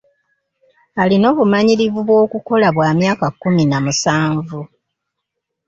Alina obumanyirivu bw'okukola bwa myaka kkumi na musanvu.